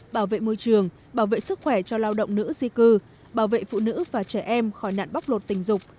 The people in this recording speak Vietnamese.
bảo vệ môi trường bảo vệ sức khỏe cho lao động nữ di cư bảo vệ phụ nữ và trẻ em khỏi nạn bóc lột tình dục